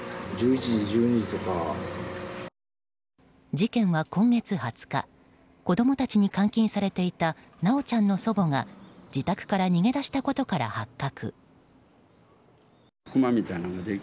事件は今月２０日子供たちに監禁されていた修ちゃんの祖母が自宅から逃げ出したことから発覚。